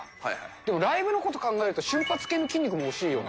でもライブのこと考えると瞬発系の筋肉も欲しいよね。